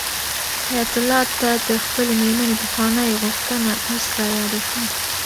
حیات الله ته د خپلې مېرمنې پخوانۍ غوښتنه اوس رایاده شوه.